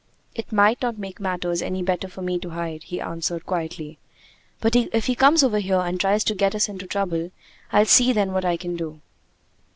"It might not make matters any better for me to hide," he answered quietly. "But if he comes over here and tries to get us into trouble, I'll see then what I can do."